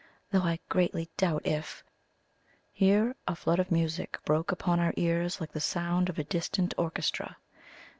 Though I greatly doubt if " Here a flood of music broke upon our ears like the sound of a distant orchestra.